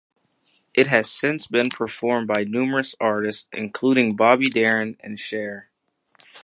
It has since been performed by numerous artists, including Bobby Darin and Cher.